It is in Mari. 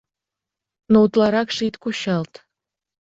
Но утларакше ит кучалт.